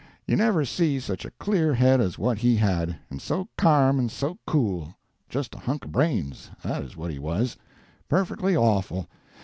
You never see such a clear head as what he had—and so carm and so cool. Just a hunk of brains—that is what he was. Perfectly awful.